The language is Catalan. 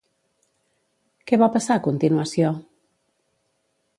Què va passar a continuació?